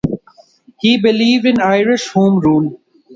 He believed in Irish home rule.